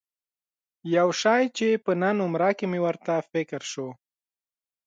یو شی چې په نن عمره کې مې ورته فکر شو.